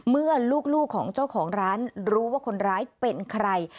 เมื่อลูกของเจ้าของร้านรู้ว่าคนร้ายเป็นใคร